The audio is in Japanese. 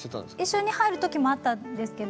一緒に入るときもあったんですけど